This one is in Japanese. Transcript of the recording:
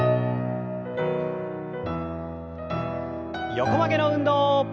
横曲げの運動。